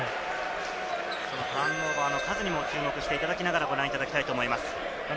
ターンオーバーの数にも注目していただきながら、ご覧いただきたいと思います。